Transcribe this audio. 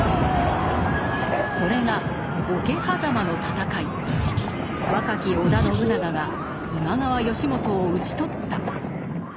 それが若き織田信長が今川義元を討ち取った。